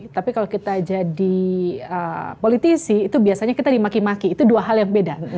tapi kalau kita jadi politisi itu biasanya kita dimaki maki itu dua hal yang beda